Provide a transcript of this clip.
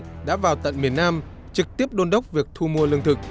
lúc đó đồng chí đỗ mười đã vào tận miền nam trực tiếp đôn đốc việc thu mua lương thực